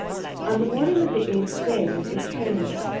On the morning of the eighth day it came.